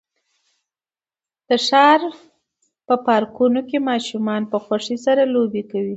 د ښار په پارکونو کې ماشومان په خوښۍ سره لوبې کوي.